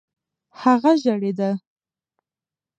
هغه ژړېدی .